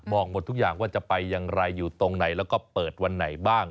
บอกหมดทุกอย่างว่าจะไปอย่างไรอยู่ตรงไหนแล้วก็เปิดวันไหนบ้าง